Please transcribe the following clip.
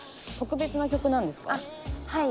はい。